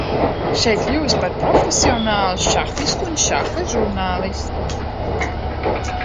Šeit kļuvis par profesionālu šahistu un šaha žurnālistu.